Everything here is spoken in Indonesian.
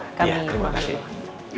iya terima kasih